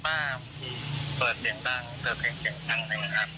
ว่าเปิดเสียงดังเปิดเพลงเสียงดังนะครับ